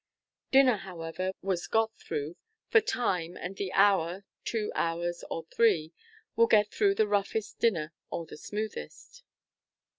Dinner, however, was got through, for time and the hour, two hours, or three, will get through the roughest dinner or the smoothest.